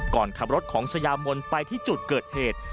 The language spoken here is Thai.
ก่อนขับรถของสยามนไปที่จุดเกิดเหตุ